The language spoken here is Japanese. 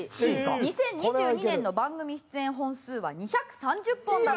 ２０２２年の番組出演本数は２３０本だったという事で。